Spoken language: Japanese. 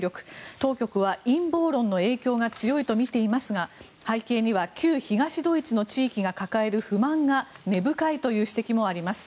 当局は陰謀論の影響が強いと見ていますが背景には旧東ドイツの地域が抱える不満が根深いという指摘もあります。